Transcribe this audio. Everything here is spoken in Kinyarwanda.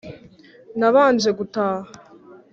nabanje guhata